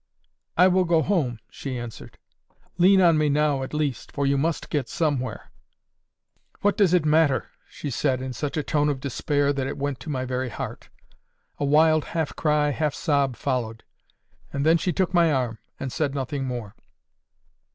"I will go home," she answered. "Lean on me now, at least; for you must get somewhere." "What does it matter?" she said, in such a tone of despair, that it went to my very heart. A wild half cry, half sob followed, and then she took my arm, and said nothing more.